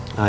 apa ada